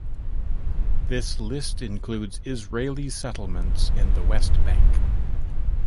This list includes Israeli settlements in the West Bank.